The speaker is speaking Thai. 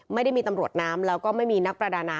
ไม่ได้มีตำรวจน้ำแล้วก็ไม่มีนักประดาน้ำ